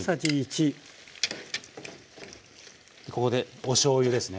ここでおしょうゆですね。